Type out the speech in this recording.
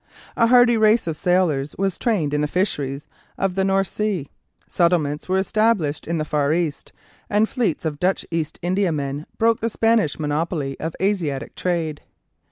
A hardy race of sailors was trained in the fisheries of the North Sea. Settlements were established in the Far East, and fleets of Dutch East Indiamen broke the Spanish monopoly of Asiatic trade.